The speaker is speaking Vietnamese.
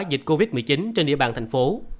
dịch covid một mươi chín trên địa bàn thành phố